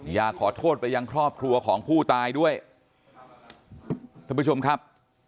อยากขอโทษไปยังครอบครัวของผู้ตายด้วยท่านผู้ชมครับ